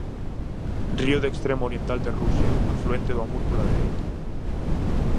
Río do extremo oriental de Rusia, afluente do Amur pola dereita.